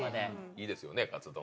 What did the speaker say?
いいですよねカツ丼